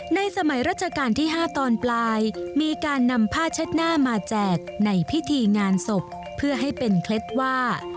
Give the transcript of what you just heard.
ในสมัยราชการที่๕ตอนปลายมีการนำผ้าเช็ดหน้ามาแจกในพิธีงานศพเพื่อให้เป็นเคล็ดว่า